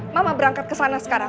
mama berangkat kesana sekarang